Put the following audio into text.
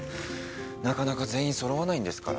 なかなか全員そろわないんですから。